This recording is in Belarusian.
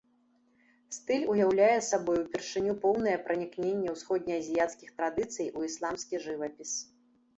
Стыль уяўляе сабой упершыню поўнае пранікненне ўсходне-азіяцкіх традыцый у ісламскі жывапіс.